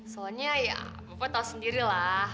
soalnya ya bapak tahu sendirilah